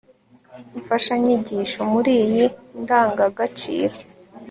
imfashanyigisho muri iyi ndangagaciro